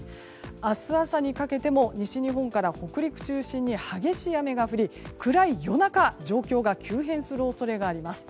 明日朝にかけても西日本から北陸中心に激しい雨が降り、暗い夜中状況が急変する恐れがあります。